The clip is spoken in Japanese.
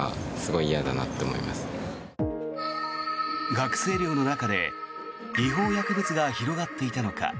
学生寮の中で違法薬物が広がっていたのか。